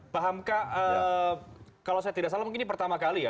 pak hamka kalau saya tidak salah mungkin ini pertama kali ya